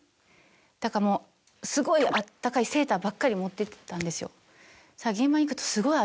だからすごいあったかいセーターばっかり持ってってたんですよ。